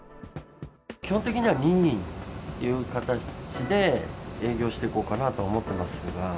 基本的には任意という形で営業していこうかなと思ってますが。